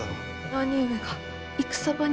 兄上が戦場に。